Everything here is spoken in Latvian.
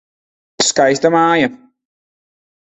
Skaista māja.